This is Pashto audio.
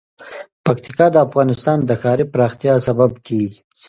پکتیکا د افغانستان د ښاري پراختیا سبب کېږي.